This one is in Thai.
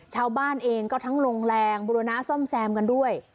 ชาวบ้านเองก็ทั้งลงแรงบูรณะซ่อมแซมกันด้วย